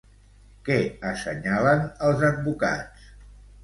Què assenyalen els advocats?